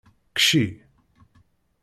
Kcci!